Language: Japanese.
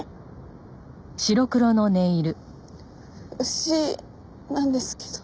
牛なんですけど。